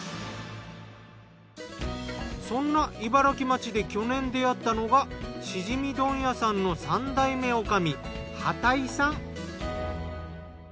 そんな茨城町で去年出会ったのがシジミ問屋さんの３代目女将畠井さん。